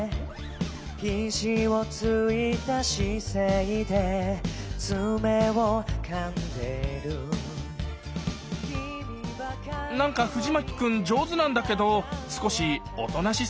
「ひじをついた姿勢で爪をかんでる」なんか藤牧くん上手なんだけど少しおとなしすぎじゃない？